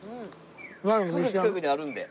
すぐ近くにあるんで。